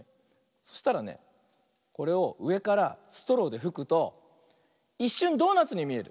そしたらねこれをうえからストローでふくといっしゅんドーナツにみえる！